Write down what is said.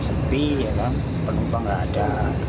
sepi ya kan penumpang nggak ada